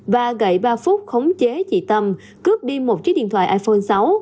và gậy ba phúc khống chế chị tâm cướp đi một chiếc điện thoại iphone sáu